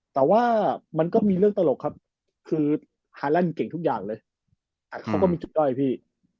แต่ว่ามันก็มีเรื่องตลกครับคือฮาแลนด์เก่งทุกอย่างเลยเขาก็มีจุดด้อยพี่